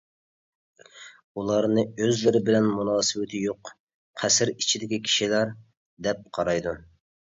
ئۇلارنى ئۆزلىرى بىلەن مۇناسىۋىتى يوق «قەسىر ئىچىدىكى كىشىلەر» دەپ قارايدۇ.